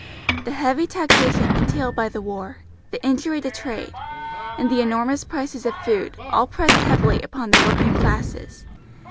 The heavy taxation entailed by the war, the injury to trade, and the enormous prices of food, all pressed heavily upon the working classes.